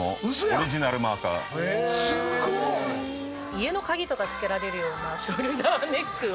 家の鍵とかつけられるようなショルダーネックを。